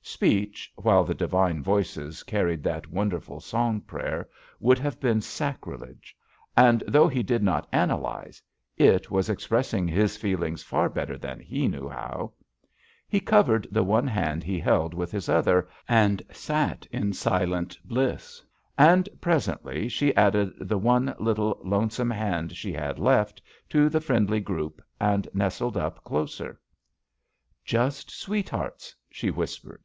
Speech, while the divine voices carried that wonderful song prayer, would have been sac rilege. And, though he did not analyze, it was expressing his feelings far better than he knew how. He covered the one hand he held with his other and sat in silent bliss, and presently she added the one, little, lonesome hand she had left to the friendly group, and nestled yp closer. JUST SWEETHEARTS "Just sweethearts 1" she whispered.